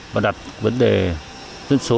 và đặt vấn đề dân số